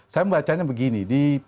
saya membacanya begini